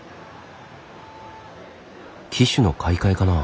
機種の買い替えかな？